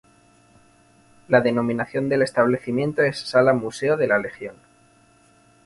La denominación del establecimiento es Sala-museo de la Legión.